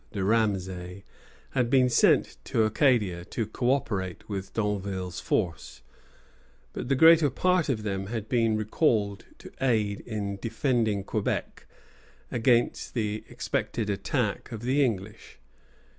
de Ramesay, had been sent to Acadia to co operate with D'Anville's force; but the greater part of them had been recalled to aid in defending Quebec against the expected attack of the English.